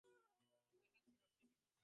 তিনি দেখান যে এই রশ্মিগুলো